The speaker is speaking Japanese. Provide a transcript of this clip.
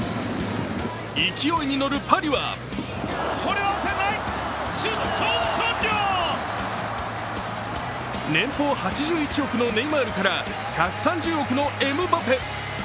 勢いに乗るパリは年俸８１億のネイマールから１３０億のエムバペ。